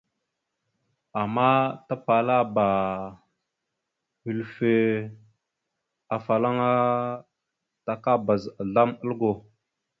Ama tapalaba hʉlfœ afalaŋa takabaz azzlam algo.